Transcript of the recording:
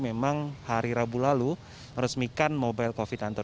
memang hari rabu lalu meresmikan mobile covid sembilan belas